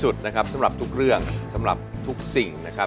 จุดนะครับสำหรับทุกเรื่องสำหรับทุกสิ่งนะครับ